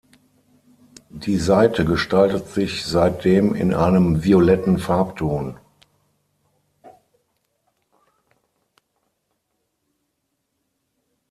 Die Seite gestaltet sich seitdem in einem violetten Farbton.